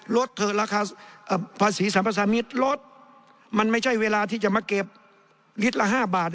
เถอะราคาภาษีสัมภาษามิตรลดมันไม่ใช่เวลาที่จะมาเก็บลิตรละ๕บาท